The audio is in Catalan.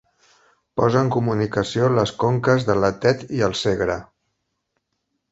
Posa en comunicació les conques de la Tet i el Segre.